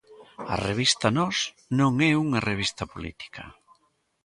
A revista Nós non é unha revista política.